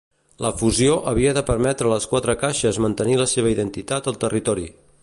La fusió havia de permetre a les quatre caixes mantenir la seva identitat al territori.